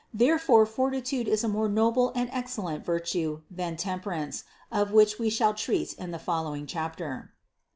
Therefore fortitude is a more noble and excellent virtue than temperance, of which we shall treat in the following chapter.